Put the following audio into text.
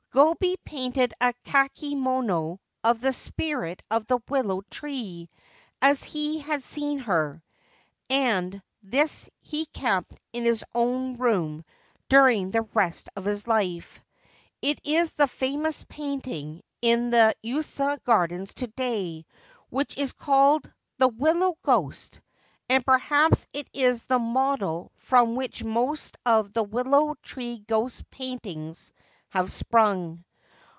Gobei painted a kakemono of the spirit of the willow tree as he had seen her, and this he kept in his own room during the rest of his life. It is the famous painting, in 350 A Willow Tree and Family Honour the Yuasa Gardens to day, which is called ' The Willow Ghost,1 and perhaps it is the model from which most of the willow tree ghost paintings have sprung.